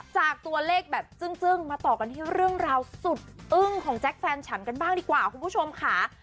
จากตัวเลขแบบจึ้งมาต่อกันที่เรื่องราวสุดอึ้งของแจ๊คแฟนฉันกันบ้างดีกว่าคุณผู้ชมค่ะ